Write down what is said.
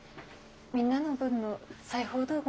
みんなの分の裁縫道具